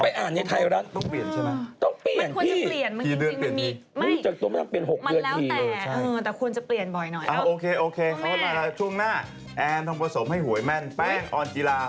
ไปอ่านในไทยรัฐต้องเปลี่ยนใช่ไหม